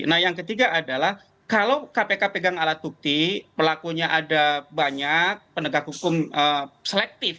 nah yang ketiga adalah kalau kpk pegang alat bukti pelakunya ada banyak penegak hukum selektif